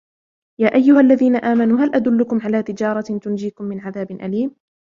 يا أيها الذين آمنوا هل أدلكم على تجارة تنجيكم من عذاب أليم